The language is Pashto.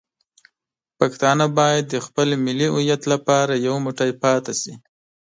پښتانه باید د خپل ملي هویت لپاره یو موټی پاتې شي.